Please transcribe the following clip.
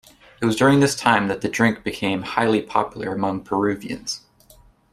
It was during this time that the drink became highly popular among Peruvians.